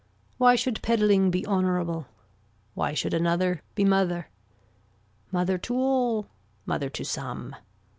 Why should peddling be honorable. Why should another be mother. Mother to all. Mother to some.